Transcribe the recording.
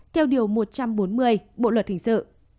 theo điều một trăm bốn mươi bộ luật hình sự